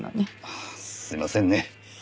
ああすいませんね。